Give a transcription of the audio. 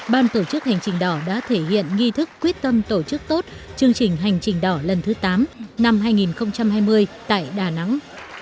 ban tổ chức hành trình đỏ đã thể hiện nghi thức quyết tâm tổ chức tốt chương trình hành trình đỏ lần thứ tám năm hai nghìn hai mươi tại đà nẵng